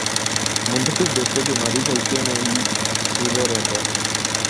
منتخب دوستوں کے محدود حلقے ہی میں آسودہ رہتا ہوں۔